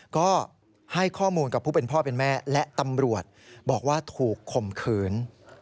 ก็ให้ข้อมูลกับผู้เป็นพ่อเป็นแม่และตำรวจบอกว่าถูกข่มขืน